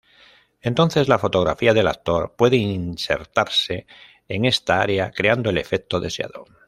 Entonces la fotografía del actor puede insertarse en esta área, creando el efecto deseado.